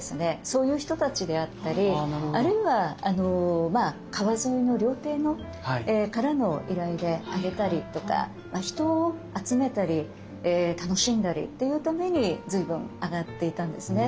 そういう人たちであったりあるいは川沿いの料亭からの依頼で上げたりとか人を集めたり楽しんだりっていうために随分上がっていたんですね。